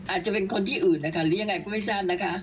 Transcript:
อาจจะเป็นคนที่อื่นนะคะหรือยังไงก็ไม่ทราบนะคะ